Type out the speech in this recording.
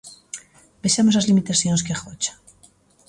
Vexamos as limitacións que agocha.